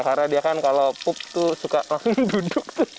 karena dia kan kalau pup suka langsung duduk